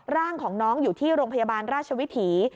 ร่างของน้องอยู่ที่โรงพยาบาลราชวิถี